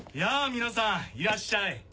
皆さんいらっしゃい！